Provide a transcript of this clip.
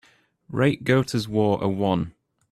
Rate Gota's War a one